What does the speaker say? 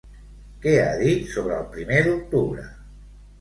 Què ha dit sobre el primer d'octubre?